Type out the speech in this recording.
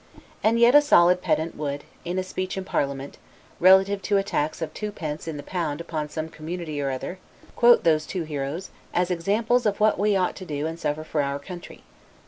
And yet a solid pedant would, in a speech in parliament, relative to a tax of two pence in the pound upon some community or other, quote those two heroes, as examples of what we ought to do and suffer for our country.